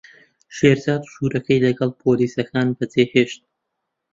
شێرزاد ژوورەکەی لەگەڵ پۆلیسەکان بەجێهێشت.